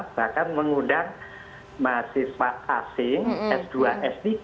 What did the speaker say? bahkan mengundang mahasiswa asing s dua s tiga